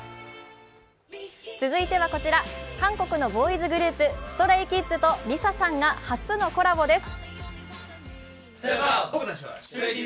続いてはこちら、韓国のボーイズグループ、ＳｔｒａｙＫｉｄｓとＬｉＳＡさんが初のコラボです。